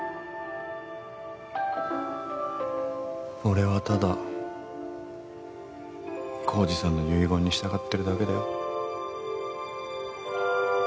俺はただ晃司さんの遺言に従ってるだけだよ。